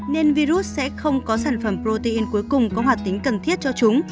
nên virus sẽ không có sản phẩm protein cuối cùng có hoạt tính cần thiết cho chúng